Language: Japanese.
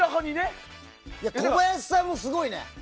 小林さんもすごいね。